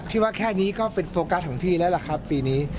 ว่าแค่นี้ก็เป็นโฟกัสของพี่แล้วล่ะครับปีนี้